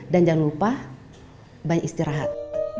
jangan lupa banyak istirahat